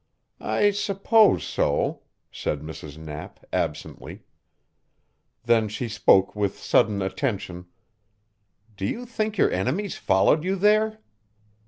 "I suppose so," said Mrs. Knapp absently. Then she spoke with sudden attention. "Do you think your enemies followed you there?"